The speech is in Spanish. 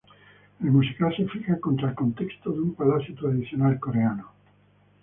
El musical se fija contra el contexto de un palacio tradicional coreano.